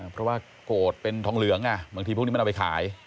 เพราะว่าโกรธเป็นทองเหลืองบางทีพวกนี้มันเอาไปขาย